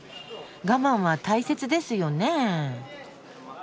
我慢は大切ですよねえ。